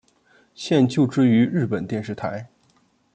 现就职于日本电视台。